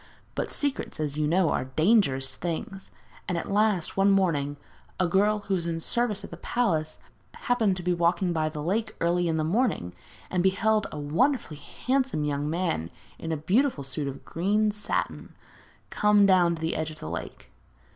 But secrets, as you know, are dangerous things, and at last, one morning, a girl who was in service at the palace happened to be walking by the lake early in the morning and beheld a wonderfully handsome young man, in a beautiful suit of green satin, come down to the edge of the lake.